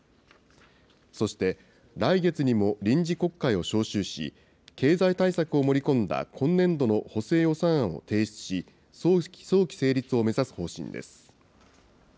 そして来月にも臨時国会を召集し、経済対策を盛り込んだ今年度の補正予算案を提出し、早期成立を目指す方針です。